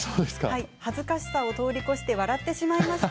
恥ずかしさを通り越して笑ってしまいました。